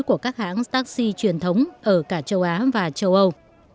của các hãng taxi truyền thống ở cả châu á và châu âu